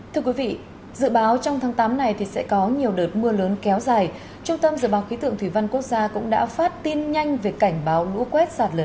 trong thời gian vừa qua trên cả nước liên tiếp xảy ra nhiều vụ sạt lở